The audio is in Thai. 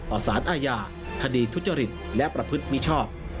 ต่อสารอาญาคดีทุจจฤทธิ์และประพฤติมิชอบ